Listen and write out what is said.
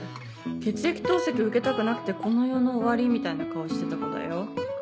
血液透析を受けたくなくてこの世の終わりみたいな顔してた子だよ？